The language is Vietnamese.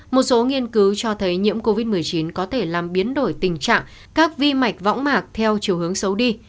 một số nghiên cứu cho thấy nhiễm covid một mươi chín có thể làm biến đổi tình trạng các vi mạch võng mạc theo chiều hướng xấu đi